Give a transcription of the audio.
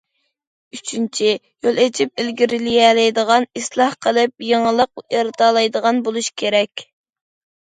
ئۈچىنچى، يول ئېچىپ ئىلگىرىلىيەلەيدىغان، ئىسلاھ قىلىپ، يېڭىلىق يارىتالايدىغان بولۇش كېرەك.